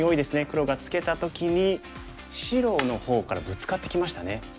黒がツケた時に白の方からブツカってきましたね。